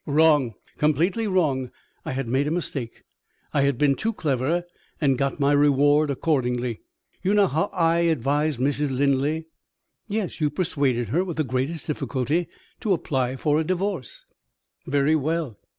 "Wrong, completely wrong. I had made a mistake I had been too clever, and I got my reward accordingly. You know how I advised Mrs. Linley?" "Yes. You persuaded her, with the greatest difficulty, to apply for a Divorce." "Very well.